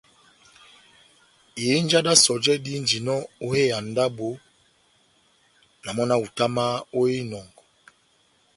Ihinja d́ sɔjɛ dihínjinɔ ó hé ya ndábo, na mɔ́ na hutamahá ó ya inɔngɔ.